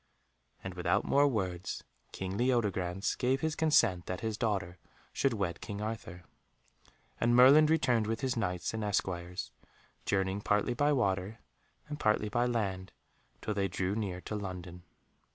And without more words King Leodegrance gave his consent that his daughter should wed King Arthur. And Merlin returned with his Knights and esquires, journeying partly by water and partly by land, till they drew near to London.